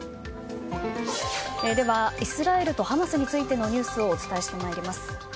では、イスラエルとハマスについてのニュースをお伝えしてまいります。